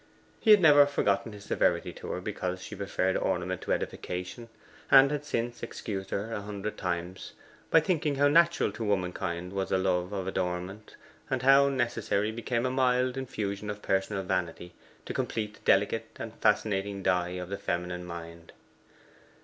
He had never forgotten his severity to her because she preferred ornament to edification, and had since excused her a hundred times by thinking how natural to womankind was a love of adornment, and how necessary became a mild infusion of personal vanity to complete the delicate and fascinating dye of the feminine mind.